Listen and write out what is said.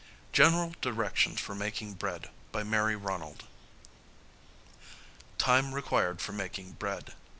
=GENERAL DIRECTIONS FOR MAKING BREAD= [Sidenote: Time required for making bread.